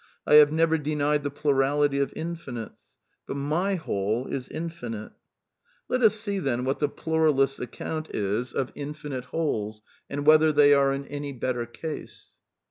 I have never denied the plurality of finites. But my Whole is Infinite. Let us see, then, what the pluralist's account is of In 188 A DEFENCE OF IDEALISM finite Wholes^ and whether they are in any better case.